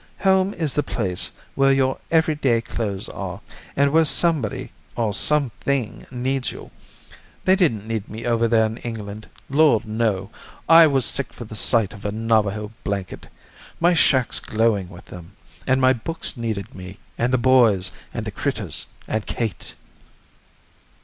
Home is the place where your everyday clothes are, and where somebody, or something needs you. They didn't need me over there in England. Lord no! I was sick for the sight of a Navajo blanket. My shack's glowing with them. And my books needed me, and the boys, and the critters, and Kate."